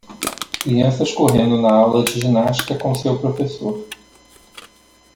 Crianças correndo na aula de ginástica com seu professor.